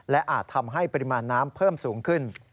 และอาจทำให้ปริมาณน้ำเพิ่มสูงขึ้น